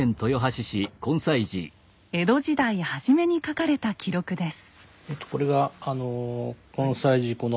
江戸時代初めに書かれた記録です。